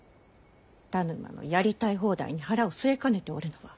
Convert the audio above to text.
田沼のやりたい放題に腹を据えかねておるのは。